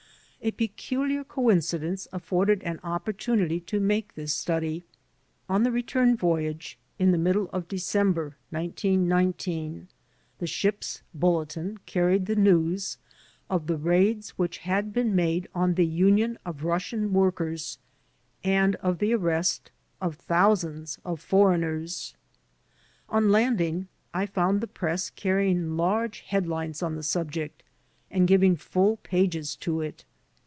A peculiar co incidence afforded an opportunity to make this study. On the return voyage, in the middle of December, 1919, the ship's bulletin carried the news of the raids which had been made on the Union of Russian Workers and of the arrest of thousands of foreigners. On landing I found the press carrying large headlines on the subject and giving full pages to it.